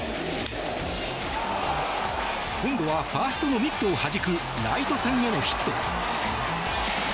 今度はファーストのミットをはじくライト線へのヒット。